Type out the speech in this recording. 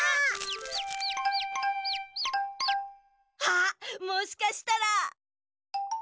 あっもしかしたら。